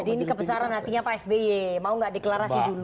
jadi ini kebesaran hatinya pak sby mau nggak deklarasi dulu